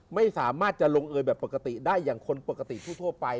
ไม่สามารถจะลงเอยแบบปกติได้อย่างคนปกติทั่วไป